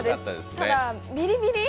ただ、ビリビリ？